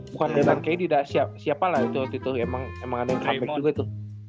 bukan dengan kayak tidak siap siapa lah itu itu emang emang ada yang kayak gitu